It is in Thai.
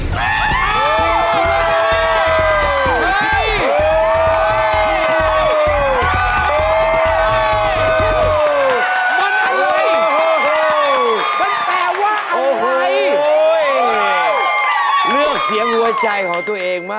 ขอบคุณครับ